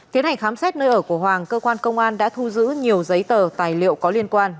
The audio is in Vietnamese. tiến hành khám xét nơi ở của hoàng cơ quan công an đã thu giữ nhiều giấy tờ tài liệu có liên quan